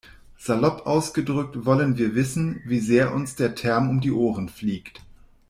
Salopp ausgedrückt wollen wir wissen, wie sehr uns der Term um die Ohren fliegt.